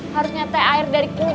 harusnya teh air dari kini